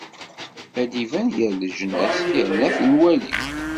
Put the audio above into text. Ad d-iban gar leǧnas yerna ad t-nwali.